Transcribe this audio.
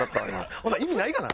ほんなら意味ないがな。